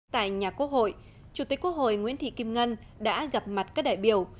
tại nhà quốc hội chủ tịch quốc hội nguyễn thị kim ngân đã gặp mặt các đại biểu